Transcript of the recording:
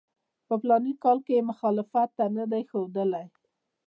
په فلاني کال کې یې مخالفت نه دی ښودلی.